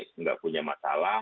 tidak punya masalah